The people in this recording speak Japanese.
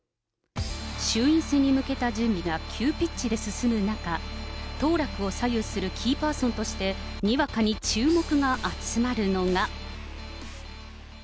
衆院選に向けた準備が急ピッチで進む中、当落を左右するキーパーソンとして、にわかに注目が集まるのが。